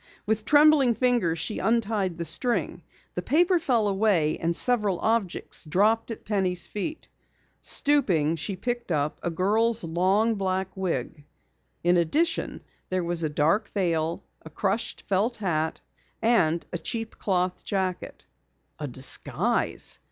With trembling fingers she untied the string. The paper fell away and several objects dropped at Penny's feet. Stooping, she picked up a girl's long black wig. In addition, there was a dark veil, a crushed felt hat, and a cheap cloth jacket. "A disguise!"